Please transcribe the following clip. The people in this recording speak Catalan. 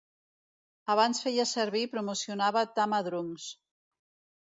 Abans feia servir i promocionava Tama Drums.